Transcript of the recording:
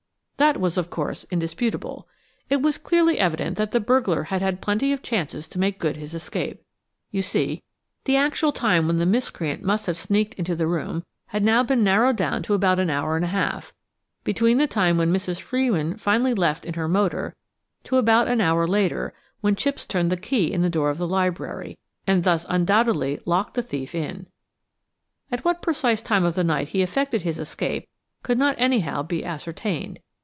That was, of course, indisputable. It was clearly evident that the burglar had had plenty of chances to make good his escape. You see, the actual time when the miscreant must have sneaked into the room had now been narrowed down to about an hour and a half, between the time when Mrs. Frewin finally left in her motor to about an hour later, when Chipps turned the key in the door of the library and thus undoubtedly locked the thief in. At what precise time of the night he effected his escape could not anyhow be ascertained.